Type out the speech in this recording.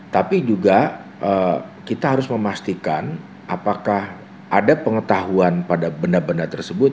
tapi juga kita harus memastikan apakah ada pengetahuan pada benda benda tersebut